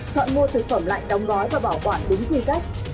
chọn mua thực phẩm lạnh đóng gói và bảo quản đúng quy cách